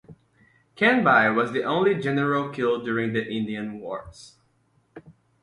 Canby was the only general killed during the Indian Wars.